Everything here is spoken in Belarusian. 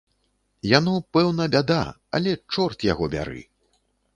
Яно, пэўна, бяда, але чорт яго бяры.